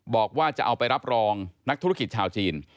บอกว่าจะเอาไปรับรองนักธุรกิจชาวจีน